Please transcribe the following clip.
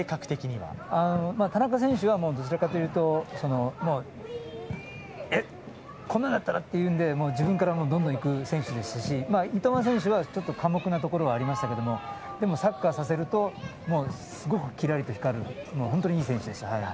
田中選手はどちらかというとこんなのやったら？というので自分からどんどんいく選手ですし三笘選手は寡黙なところはありましたけれども、でもサッカーさせると、すごくキラリと光る、本当にいい選手でした。